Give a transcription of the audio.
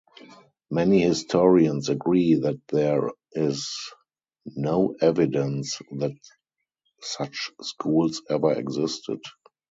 Many historians agree that there is no evidence that such schools ever existed.